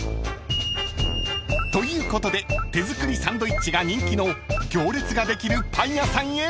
［ということで手作りサンドイッチが人気の行列ができるパン屋さんへ向かいます］